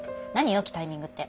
良きタイミングって。